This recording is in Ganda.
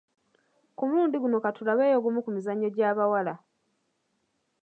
Ku mulundi guno ka tulabeyo ogumu ku mizannyo gy’abawala.